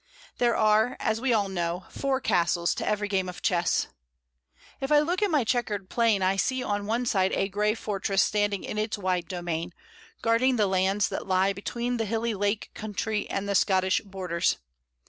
There are, as we all know, four castles to every game of chess. If I look at my chequered plain I see on one side a grey for tress standing in its wide domain, guarding the lands that lie between the hilly lake country and the Scottish borders.